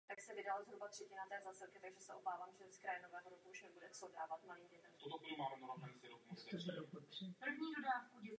Zbraně, zbraně pro Zimbabwe, ruční zbraně, granáty a minomety.